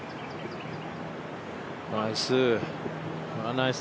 ナイス。